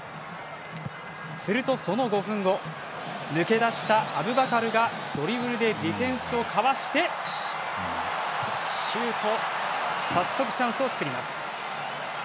すると、その５分後抜け出したアブバカルがドリブルでディフェンスをかわしてシュート。